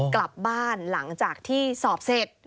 กลับบ้านหลังจากที่สอบเสร็จ